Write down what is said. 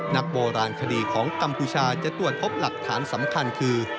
นักโบราณคดีของกัมพูชาจะตรวจพบหลักฐานสำคัญคือ